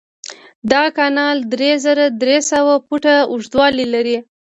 دغه کانال درې زره درې سوه فوټه اوږدوالی لري.